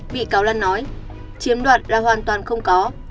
bị cáo lan nói chiếm đoạt là hoàn toàn không có